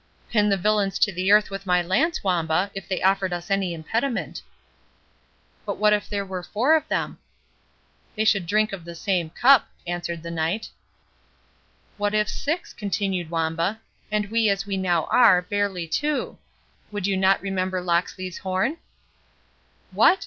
"Pin the villains to the earth with my lance, Wamba, if they offered us any impediment." "But what if there were four of them?" "They should drink of the same cup," answered the Knight. "What if six," continued Wamba, "and we as we now are, barely two—would you not remember Locksley's horn?"